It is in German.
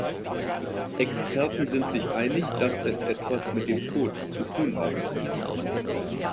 Experten sind sich einig, dass es etwas mit dem Tod zu tun haben könnte.